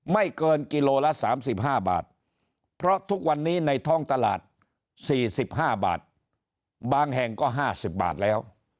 ไม่เกินกิโลละ๓๕บาทเพราะทุกวันนี้ในท้องตลาด๔๕บาทบางแห่งก็๕๐บาทแล้ว